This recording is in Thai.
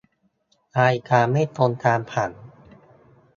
รายการไม่ตรงตามผัง